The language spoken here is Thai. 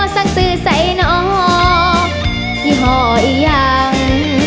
สังสื่อใส่หน่อยี่ห่อยี่ห่าง